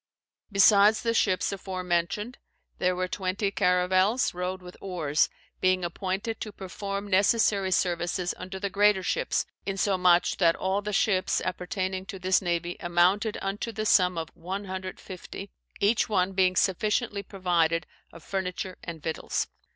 "Besides the ships aforementioned, there were twenty caravels rowed with oares, being appointed to perform necessary services under the greater ships, insomuch that all the ships appertayning to this navie amounted unto the summe of 150, eche one being sufficiently provided of furniture and victuals.